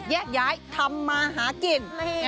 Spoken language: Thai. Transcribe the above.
เย้ไยทำมาหากิน